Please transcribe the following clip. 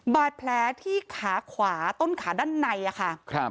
บาดแผลที่ขาขวาต้นขาด้านในอะค่ะ